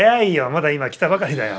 まだ今来たばかりだよ。